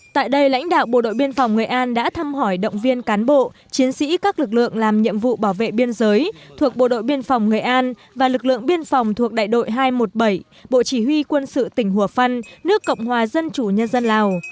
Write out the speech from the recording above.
tại đây lãnh đạo bộ đội biên phòng nghệ an đã thăm hỏi động viên cán bộ chiến sĩ các lực lượng làm nhiệm vụ bảo vệ biên giới thuộc bộ đội biên phòng nghệ an và lực lượng biên phòng thuộc đại đội hai trăm một mươi bảy bộ chỉ huy quân sự tỉnh hùa phân nước cộng hòa dân chủ nhân dân lào